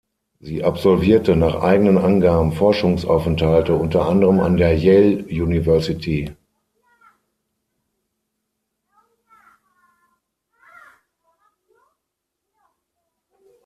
Sie absolvierte nach eigenen Angaben Forschungsaufenthalte unter anderem an der Yale University.